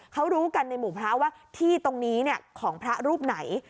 เขารู้กันในหมู่พระว่าที่ตรงนี้ของพระรูปไหน